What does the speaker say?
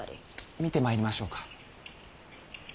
見てまいりましょうか？